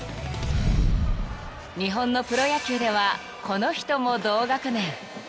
［日本のプロ野球ではこの人も同学年］